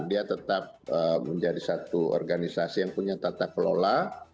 dia tetap menjadi satu organisasi yang punya tata kelola